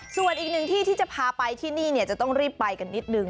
ส่วนอีกหนึ่งที่ที่จะพาไปที่นี่จะต้องรีบไปกันนิดนึง